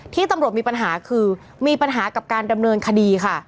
ที่ตำรวจมีปัญหาคือมีปัญหากับการดำเนินคดีค่ะ